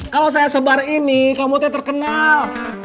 kalau saya sebar ini kamu tuh terkenal